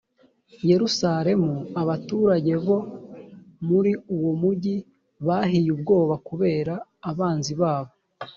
yerusalemu abaturage bo muri uwo mugi bahiye ubwoba kubera abanzi babo